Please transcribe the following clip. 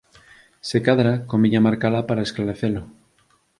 Se cadra conviña marcala para esclarecelo.